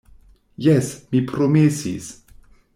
Jes, mi promesis.